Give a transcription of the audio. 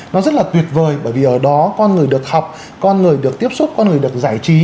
nó rất là tuyệt vời bởi vì ở đó con người được học con người được tiếp xúc con người được giải trí